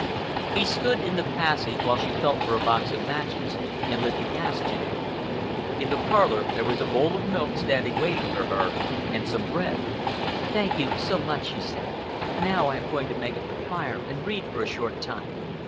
He stood in the passage while she felt for a box of matches and lit the gas jet. In the parlor there was a bowl of milk standing waiting for her, and some bread. "Thank you so much," she said. "Now I am going to make up the fire and read for a short time.